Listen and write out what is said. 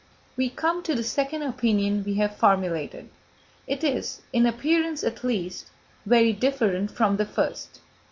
We come to the second opinion we have formulated. It is, in appearance at least, very different from the first.